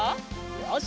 よし！